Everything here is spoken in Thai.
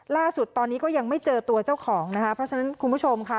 ล่าสุดตอนนี้ก็ยังไม่เจอตัวเจ้าของนะคะเพราะฉะนั้นคุณผู้ชมค่ะ